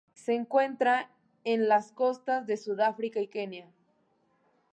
Se encuentra en las costas de Sudáfrica y Kenia.